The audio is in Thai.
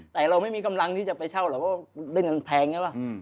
แต่เราไม่มีคำลังที่จะไปเช่าหรอกเพราะเรื่องนั้นแพง